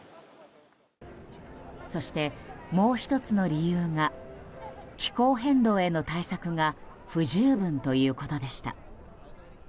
そして、もう１つの理由が気候変動への対策が不十分ということでした。